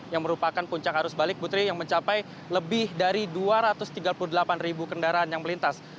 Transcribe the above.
yang merupakan puncak arus balik putri yang mencapai lebih dari dua ratus tiga puluh delapan ribu kendaraan yang melintas